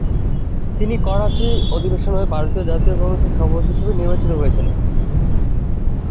তিনি করাচি অধিবেশনে ভারতীয় জাতীয় কংগ্রেসের সভাপতি হিসাবে নির্বাচিত হয়েছিলেন ।